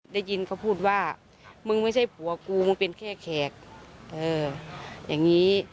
ได้ยินเขาพูดว่ามึงไม่ใช่ผัวกูมึงเป็นแค่แขกอย่างนี้